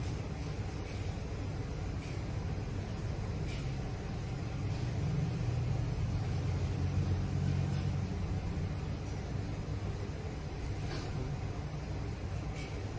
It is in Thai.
สวัสดีครับ